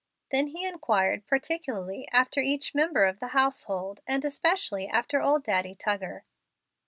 Then he inquired particularly after each member of the household, and especially after old Daddy Tuggar.